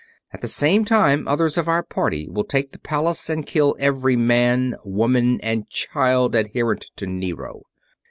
At the same time others of our party will take the palace and kill every man, woman, and child adherent to Nero."